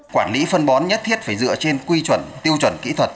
quản lý phân bón nhất thiết phải dựa trên quy chuẩn tiêu chuẩn kỹ thuật